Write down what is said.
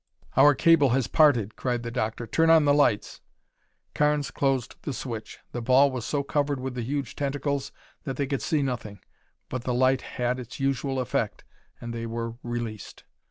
"Our cable has parted!" cried the doctor. "Turn on the lights!" Carnes closed the switch. The ball was so covered with the huge tentacles that they could see nothing, but the light had its usual effect and they were released.